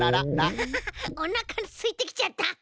アハハハおなかすいてきちゃった。